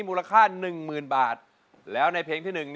รูปสุดงามสมสังคมเครื่องใครแต่หน้าเสียดายใจทดสกัน